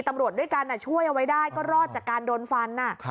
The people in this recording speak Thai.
ตำรวจด้วยกันช่วยเอาไว้ได้ก็รอดจากการโดนฟัน